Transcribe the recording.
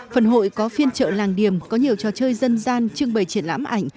phần hội có phiên trợ làng điểm có nhiều trò chơi dân gian trưng bày triển lãm ảnh